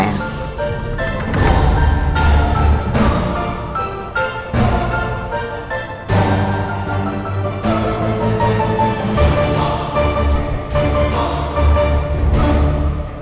tidak ada apa apa